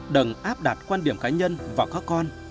đừng áp đặt quan điểm cá nhân và các con